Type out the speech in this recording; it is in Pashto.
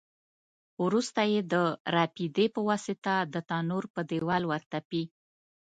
وروسته یې د رپېدې په واسطه د تنور په دېوال ورتپي.